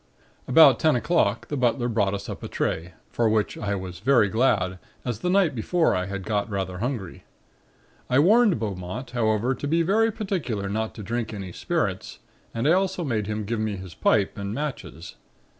"About ten o'clock the butler brought us up a tray, for which I was very glad, as the night before I had got rather hungry. I warned Beaumont, however, to be very particular not to drink any spirits and I also made him give me his pipe and matches.